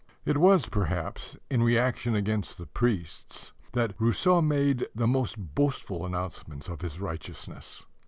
It was, perhaps, in reaction against the priests that Rousseau made the most boastful announcements of his righteousness.